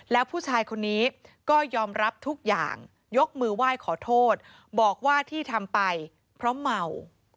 แล้วผู้ชายคนนี้ก็ยอมรับทุกอย่างยกมือไหว้ขอโทษบอกว่าที่ทำไปเพราะเมา